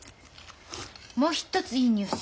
もう一ついいニュース。